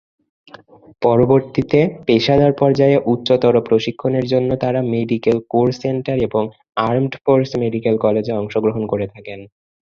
পরবর্তীতে পেশাদার পর্যায়ে উচ্চতর প্রশিক্ষণের জন্য তারা মেডিকেল কোর সেন্টার এবং আর্মড ফোর্স মেডিকেল কলেজে অংশগ্রহণ করে থাকেন।